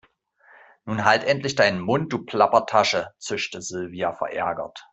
Nun halt endlich deinen Mund, du Plappertasche, zischte Silvia verärgert.